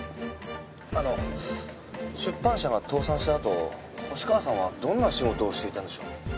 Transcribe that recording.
あの出版社が倒産したあと星川さんはどんな仕事をしていたんでしょう？